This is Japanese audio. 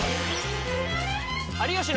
「有吉の」。